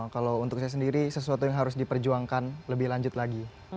kalau untuk saya sendiri sesuatu yang harus diperjuangkan lebih lanjut lagi